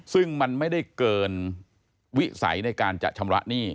ซึ่งมันไม่ได้เกินวิสัยในการจะชำระหนี้